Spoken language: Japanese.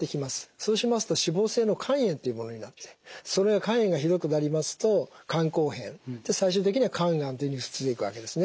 そうしますと脂肪性の肝炎というものになってそれが肝炎がひどくなりますと肝硬変最終的には肝がんというふうに続いていくわけですね。